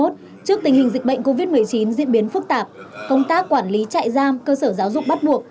trước tình hình dịch bệnh covid một mươi chín diễn biến phức tạp công tác quản lý trại giam cơ sở giáo dục bắt buộc